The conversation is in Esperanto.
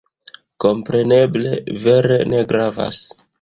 Kompreneble, vere ne gravas.